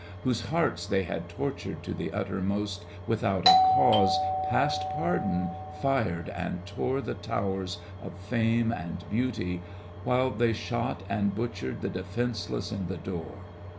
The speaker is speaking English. Whose hearts they had tortured to the utter most Without a cause, past pardon, fired and tore The towers of fame and beauty, while they shot And butchered the defenceless in the door.